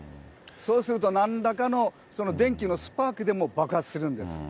そうすると、なんらかの電気のスパークでも爆発するんです。